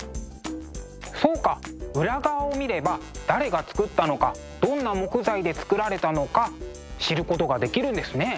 そうか裏側を見れば誰が作ったのかどんな木材で作られたのか知ることができるんですね。